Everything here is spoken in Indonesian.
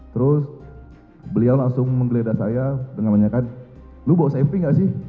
terus beliau langsung menggeledah saya dengan menanyakan lu bawa safety nggak sih